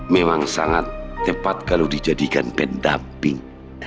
memang sangat cepat kalau dijadikan pendamping